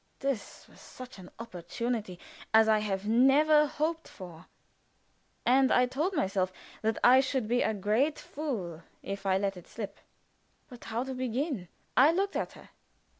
This was such an opportunity as I had never hoped for, and I told myself that I should be a great fool if I let it slip. But how to begin? I looked at her.